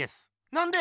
なんで？